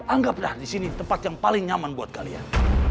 anggaplah di sini tempat yang paling nyaman buat kalian